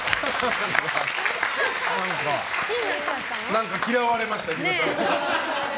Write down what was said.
何か嫌われました、昼太郎。